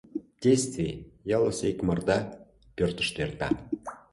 Действий ялысе икмарда пӧртыштӧ эрта.